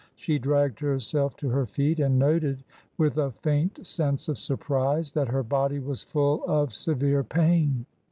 She dragged herself to her feet and noted, with a faint sense of sur prise, that her body was full of severe pain.